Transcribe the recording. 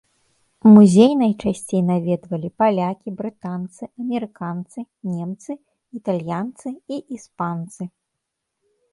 Музей найчасцей наведвалі палякі, брытанцы, амерыканцы, немцы, італьянцы і іспанцы.